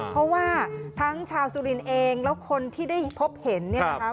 เพราะว่าทั้งชาวสุรินทร์เองแล้วคนที่ได้พบเห็นเนี่ยนะคะ